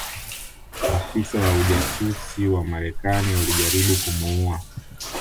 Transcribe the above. Maafisa wa ujasusi wa Marekani walijaribu kumuua